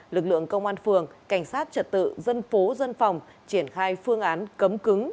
lực lượng công an phường cảnh sát trật tự dân phố dân phòng triển khai phương án cấm cứng